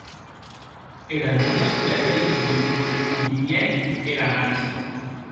E damb ua soleta division contunhèc era marcha.